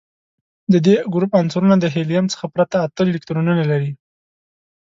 د دې ګروپ عنصرونه د هیلیم څخه پرته اته الکترونونه لري.